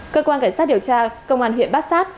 cơ quan cảnh sát điều tra công an huyện bát sát